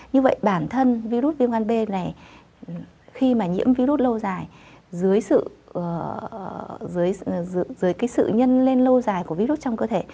như vậy bản thân virus viêm gan b này khi mà nhiễm virus lâu dài dưới sự nhân lên lâu dài của virus trong cơ thể